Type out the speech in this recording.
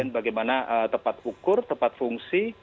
bagaimana tepat ukur tepat fungsi